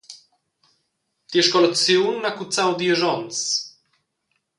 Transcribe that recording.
Tia scolaziun ha cuzzau diesch onns.